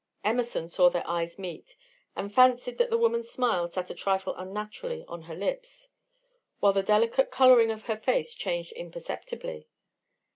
Emerson saw their eyes meet, and fancied that the woman's smile sat a trifle unnaturally on her lips, while the delicate coloring of her face changed imperceptibly.